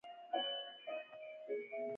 د هر دین پیروانو له خوا فجیع اعمال تر سره کېږي.